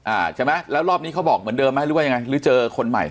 อ่าใช่ไหมแล้วรอบนี้เขาบอกเหมือนเดิมไหมหรือว่ายังไงหรือเจอคนใหม่